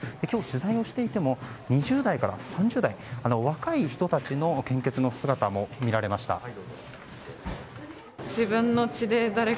今日、取材をしていても２０代から３０代の若い人たちの献血の姿も見られました。